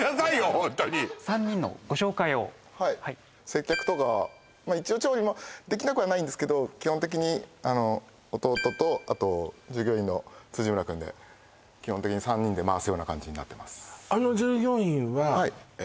ホントに３人のご紹介をはい接客とか一応調理もできなくはないんですけど基本的に弟とあと従業員の辻村くんで基本的に３人で回すような感じになってます